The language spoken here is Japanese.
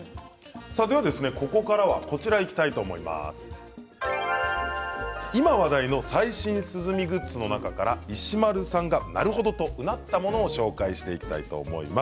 ここからは今話題の最新涼みグッズの中から石丸さんがなるほど！とうなったものを紹介していきたいと思います。